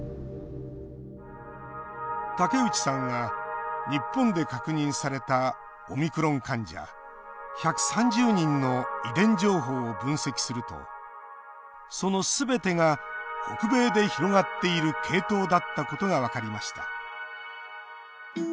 武内さんが日本で確認されたオミクロン患者１３０人の遺伝情報を分析するとそのすべてが北米で広がっている系統だったことが分かりました。